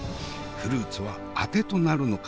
フルーツはあてとなるのか？